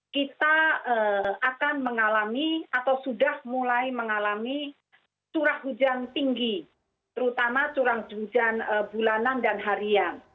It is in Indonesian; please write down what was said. kita akan mengalami atau sudah mulai mengalami curah hujan tinggi terutama curah hujan bulanan dan harian